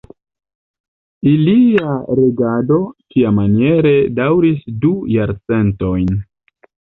Ilia regado tiamaniere daŭris du jarcentojn.